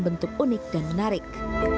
bentuk unik dan menarik